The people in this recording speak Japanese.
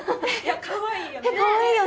かわいいよね。